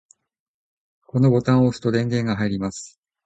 このボタンを押すと電源が入ります。